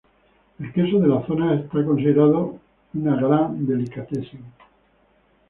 El queso de la zona es considerado una gran delicatessen.